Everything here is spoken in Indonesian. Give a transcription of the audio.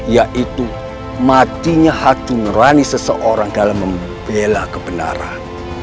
yaitu matinya hati nurani seseorang dalam membela kebenaran